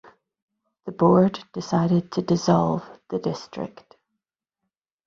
The board decided to dissolve the district.